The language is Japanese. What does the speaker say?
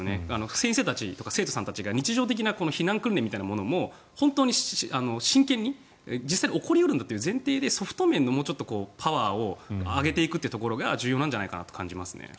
先生たち、生徒さんたちが日常的な避難訓練みたいなものも本当に真剣に実際に起こり得るんだという前提でソフト面のパワーをもうちょっと上げていくところが重要なんじゃないかと思います。